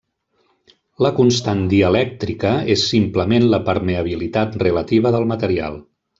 La constant dielèctrica és simplement la permeabilitat relativa del material.